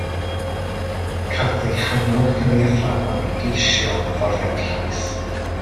Cafodd ei hannog gan ei athrawon i geisio am hyfforddiant llais.